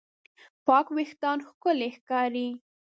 پاک وېښتيان ښکلي ښکاري.